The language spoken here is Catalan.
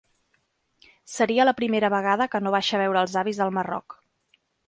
Seria la primera vegada que no baixa a veure els avis al Marroc.